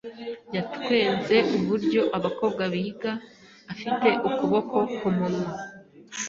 Yatwenze uburyo abakobwa biga, afite ukuboko kumunwa.